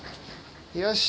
よし！